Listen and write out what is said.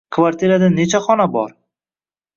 Kvartirada nechta xona bor?